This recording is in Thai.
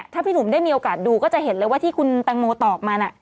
ถ้าพี่หนุ่มได้มีโอกาสดูก็จะเห็นเลยว่าที่คุณแตงโมตอบมาน่ะ